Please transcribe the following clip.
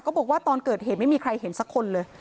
บอกว่าตอนเกิดเหตุไม่มีใครเห็นสักคนเลย